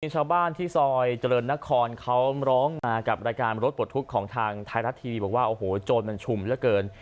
มีชาวบ้านที่ซอยเจริญนครเขามเรียกมากับระยะการบลถปลดทุกข์ทางไทยรัตรีให้บอกว่าโจรมันชุ่มเมื่อก่อน